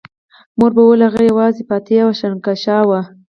مور به ویل هغه یوازې فاتح او جهانګشا و